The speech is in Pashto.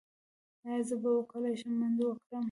ایا زه به وکولی شم منډه کړم؟